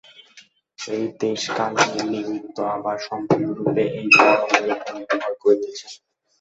ঐ দেশ-কাল-নিমিত্ত আবার সম্পূর্ণরূপে ঐ তরঙ্গের উপর নির্ভর করিতেছে।